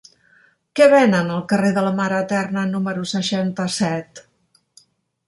Què venen al carrer de la Mare Eterna número seixanta-set?